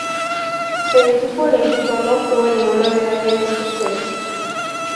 El equipo olímpico no obtuvo ninguna medalla en estos Juegos.